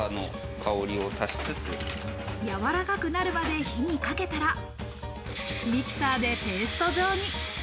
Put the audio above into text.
やわらかくなるまで火にかけたら、ミキサーでペースト状に。